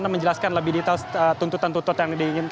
untuk menjelaskan lebih detail